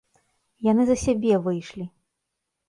Яны за сябе выйшлі!